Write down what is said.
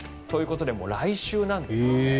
ということで来週なんです。